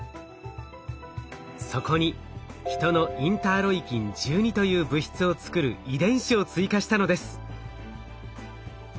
そこにヒトのインターロイキン１２という物質を作る遺伝子を追加したのです。